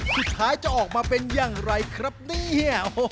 สุดท้ายจะออกมาเป็นอย่างไรครับเนี่ย